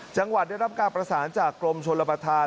จังหวัดได้รับการประสานจากกรมชนรับประทาน